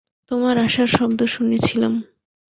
তোমার আসার শব্দ শুনেছিলাম।